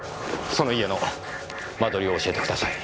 その家の間取りを教えてください。